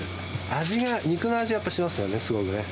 味が、肉の味がやっぱしますよね、すごくね。